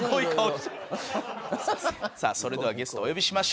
さあそれではゲストお呼びしましょう。